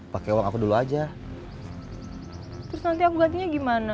pakai uang aku dulu aja terus nanti aku gantinya gimana